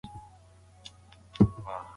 دغه ماشوم پرون ډېر وخندېدی.